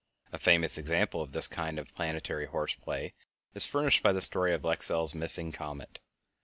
A famous example of this kind of planetary horse play is furnished by the story of Lexell's missing comet.